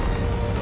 あ！